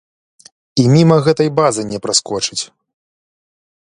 І міма гэтай базы не праскочыць.